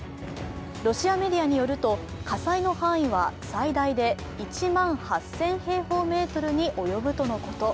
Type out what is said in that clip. ロシアメディアによると火災の範囲は最大で１万８０００平方メートルに及ぶとのこと。